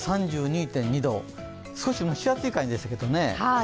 ３２．２度、少し蒸し暑い感じでしたけども。